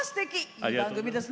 いい番組ですね。